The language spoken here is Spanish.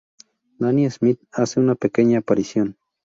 Danny Smith hace una pequeña aparición.